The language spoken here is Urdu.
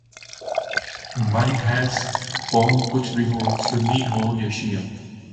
من حیثء قوم کچھ بھی ہو، سنی ہو یا شعیہ